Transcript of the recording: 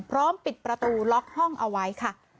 ปิดประตูล็อกห้องเอาไว้ค่ะ